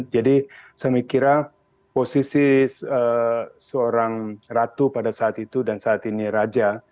jadi saya mikir posisi seorang ratu pada saat itu dan saat ini raja